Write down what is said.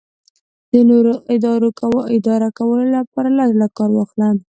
د نورو اداره کولو لپاره له زړه کار واخله.